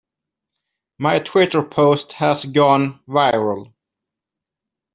My Twitter post has gone viral.